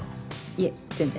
いえ全然。